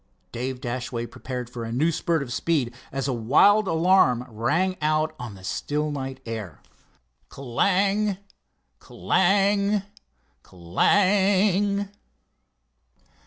Dave Dashaway prepared for a new spurt of speed as a wild alarm rang out on the still night air. Clang! Clang! Clang!